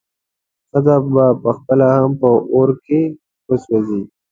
ښځه به پخپله هم په اور کې وسوځي.